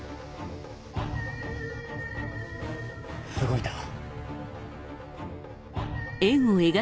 動いた。